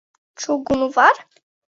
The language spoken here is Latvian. Čugunu var?